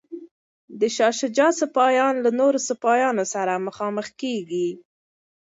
د شاه شجاع سپایان له نورو سپایانو سره مخامخ کیږي.